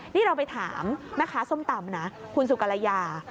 นี่เราไปถามแม่ค้าส้มตำนะคุณสุกรยา